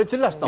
ya jelas dong